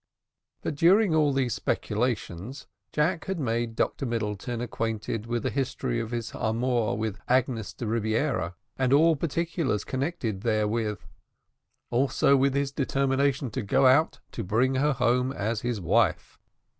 But, during all these speculations, Jack had made Dr Middleton acquainted with the history of his amour with Agnes de Rebiera, and all particulars connected therewith, also with his determination to go out to bring her home as his wife.